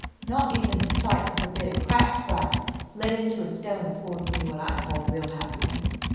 Not even the sight of a bit of cracked brass let into a stone affords me what I call real happiness.